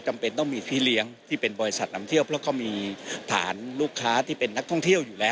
ก็จำเป็นต้องมีพี่เลี้ยงที่เป็นบริษัทนำเที่ยวเพราะมี